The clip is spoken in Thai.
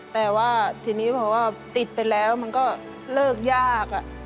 แต่ว่าทีนี้พอว่าติดไปแล้วมันก็เลิกยาก